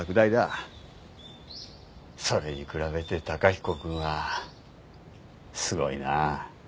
それに比べて崇彦くんはすごいな。